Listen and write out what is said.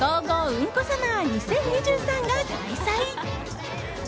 うんこサマー２０２３が開催。